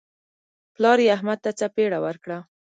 پلار یې احمد ته څپېړه ورکړه.